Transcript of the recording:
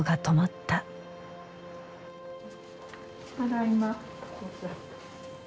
ただいま。